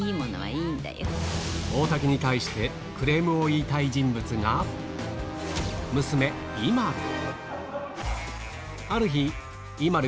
大竹に対してクレームを言いたい人物が、娘、ＩＭＡＬＵ。